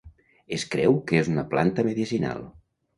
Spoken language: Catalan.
Es creu que és una planta medicinal.